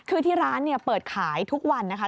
คือที่ร้านเนี่ยเปิดขายทุกวันนะคะ